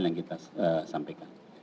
yang kita sampaikan